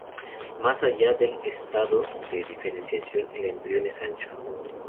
Más allá del estado de diferenciación, el embrión es ancho.